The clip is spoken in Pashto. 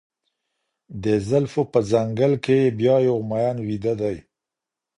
د زلفو په ځـنــګل كـي يـې بـيــا يـو مـيـن ويــــده دى